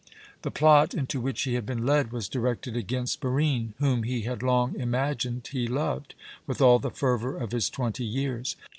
The plot into which he had been led was directed against Barine, whom he had long imagined he loved with all the fervour of his twenty years.